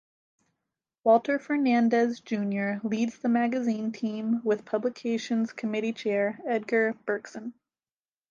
Walter Fernandez, Junior leads the magazine's team, with publications committee chair Edgar Burcksen.